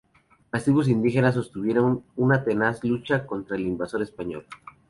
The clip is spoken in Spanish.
Las tribus indígenas sostuvieron una tenaz lucha contra el invasor español.